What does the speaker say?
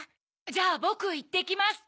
じゃあぼくいってきます。